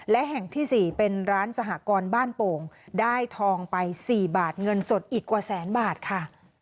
และแห่งที่๔เป็นร้านสหกรณ์บ้านโป่งได้ทองไป๔บาทเงินสดอีกกว่าแสนบาทค่ะ